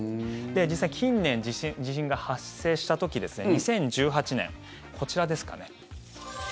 実際、近年、地震が発生した時２０１８年、こちらですかね。